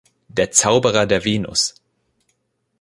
„Der Zauberer der Venus“.